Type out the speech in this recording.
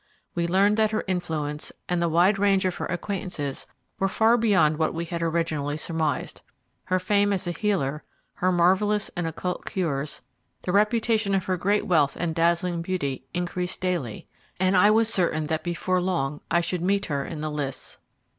We learned that her influence and the wide range of her acquaintances were far beyond what we had originally surmised. Her fame as a healer, her marvellous and occult cures, the reputation of her great wealth and dazzling beauty, increased daily, and I was certain that before long I should meet her in the lists.